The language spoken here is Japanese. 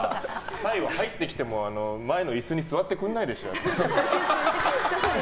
最後、入ってきても前の椅子に座ってくれないでしょ。